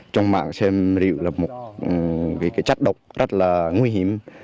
trong mạng xem rượu là một cái chất độc rất là nguy hiểm